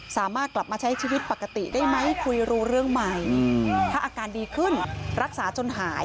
สามารถกลับมาใช้ชีวิตปกติได้ไหมคุยรู้เรื่องใหม่ถ้าอาการดีขึ้นรักษาจนหาย